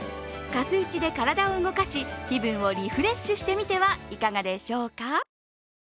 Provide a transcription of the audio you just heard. かすいちで体を動かし気分をリフレッシュしてみてはいかがでしょうか？